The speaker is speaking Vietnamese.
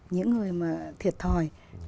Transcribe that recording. những người mà thiệt thòi